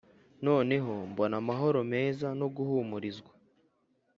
noneho mbona amahoro meza no guhumurizwa,